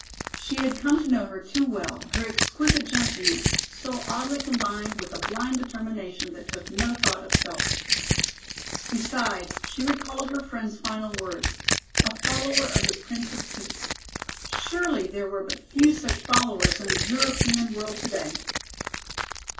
She had come to know her too well, her exquisite gentleness, so oddly combined with a blind determination that took no thought of self. Besides she recalled her friend's final words, "a follower of the Prince of Peace." Surely there were but few such followers in the European world today!